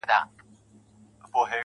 او خپل گرېوان يې تر لمني پوري څيري کړلو,